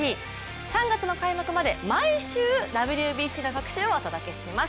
３月の開幕まで毎週、ＷＢＣの特集をお届けします。